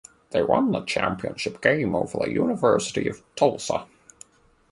They won the championship game over the University of Tulsa.